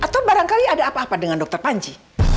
atau barangkali ada apa apa dengan dokter panji